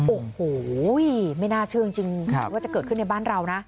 โอ้โหไม่น่าเชื่อจริงว่าจะเกิดขึ้นในบ้านเรานะ